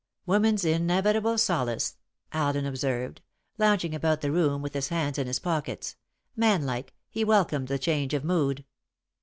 "Woman's inevitable solace," Alden observed, lounging about the room with his hands in his pockets. Man like, he welcomed the change of mood.